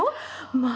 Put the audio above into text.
まあ！